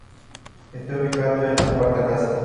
Está ubicado en la cuarta casa.